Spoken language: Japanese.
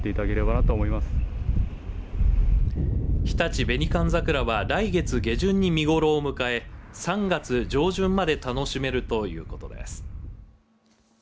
日立紅寒桜は来月下旬に見頃を迎え３月上旬まで楽しめるということです。